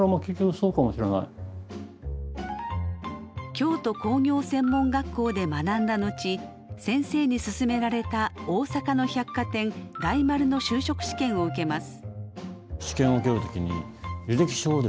京都工業専門学校で学んだ後先生に勧められた大阪の百貨店大丸の就職試験を受けます。